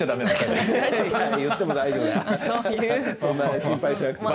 そんなに心配しなくても。